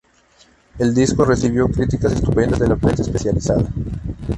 El disco recibió críticas estupendas de la prensa especializada.